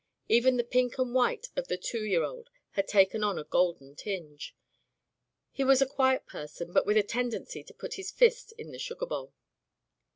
Even the pink and white of the two year old had taken on a golden tinge. He was a quiet person, but with a tendency to put his fist in the sugar bowl.